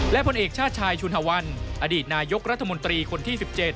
และผลเอกชาติชายชุนฮวันอดีตนายกรัฐมนตรีคนที่๑๗